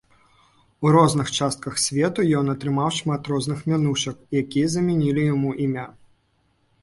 У розных частках свету ён атрымаў шмат розных мянушак, якія замянілі яму імя.